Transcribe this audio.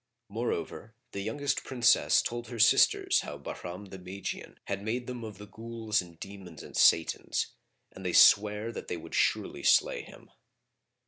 Moreover the youngest Princess told her sisters how Bahram the Magian had made them of the Ghuls and Demons and Satans,[FN#43] and they sware that they would surely slay him.